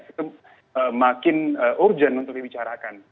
itu makin urgent untuk dibicarakan